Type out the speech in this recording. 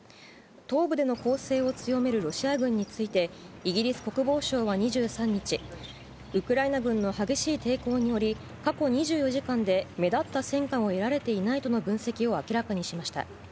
東部での攻勢を強めるロシア軍について、イギリス国防省は２３日、ウクライナ軍の激しい抵抗により、過去２４時間で目立った戦果を得られていないとの分析を明らかにしました。